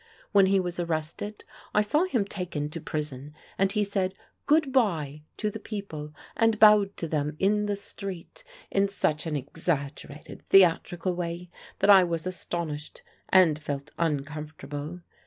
When he was arrested I saw him taken to prison, and he said 'Good bye' to the people, and bowed to them in the street in such an exaggerated theatrical way that I was astonished and felt uncomfortable.